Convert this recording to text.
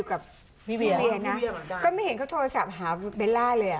ก็ไม่เห็นเขาโทรศัพท์หาเบลล่าเลย